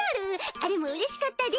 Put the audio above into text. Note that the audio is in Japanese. あれもうれしかったで！